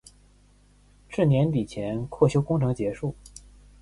至年底前扩修工程结束。